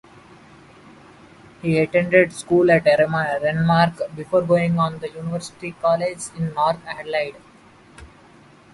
He attended school at Renmark before going on to University College in North Adelaide.